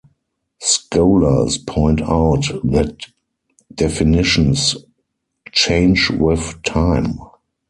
Scholars point out that definitions change with time.